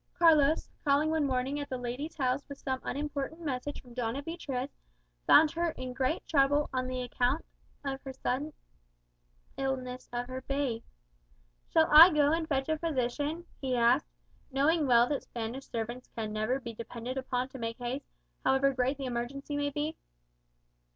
Carlos, calling one morning at the lady's house with some unimportant message from Doña Beatriz, found her in great trouble on account of the sudden illness of her babe. "Shall I go and fetch a physician?" he asked, knowing well that Spanish servants can never be depended upon to make haste, however great the emergency may be.